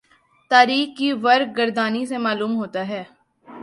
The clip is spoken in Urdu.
تاریخ کی ورق گردانی سے معلوم ہوتا ہے